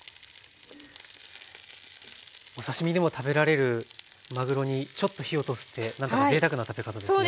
お刺身でも食べられるまぐろにちょっと火を通すってなんかぜいたくな食べ方ですね。